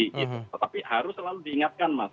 tetapi harus selalu diingatkan mas